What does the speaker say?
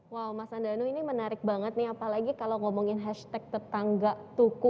wow mas andanu ini menarik banget nih apalagi kalau ngomongin hashtag tetangga tuku